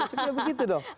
maksudnya begitu dong